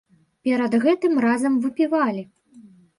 Перад гэтым разам выпівалі.